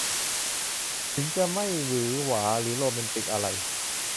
ถึงจะไม่หวือหวาโรแมนติกอะไร